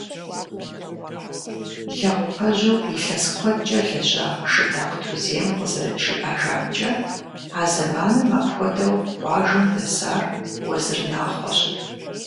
Лэгъупэжьу илъэс куэдкӏэ лэжьа Шыдакъ Тузем къызэрыджиӏэжамкӏэ, а зэманым апхуэдэу къуажэм дэсар Уэзыр Нахъуэщ.